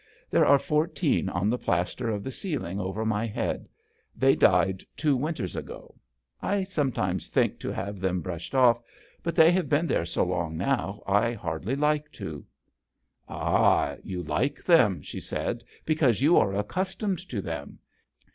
There are fourteen on the plaster of the ceiling over my head. They died two winters ago. I sometimes think to have them brushed off, but they have been there so long now I hardly like to." "Ah! you like them," she said, " because you are accus tomed to them.